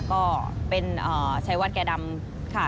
ก็เป็นชัยวัดแก่ดำค่ะ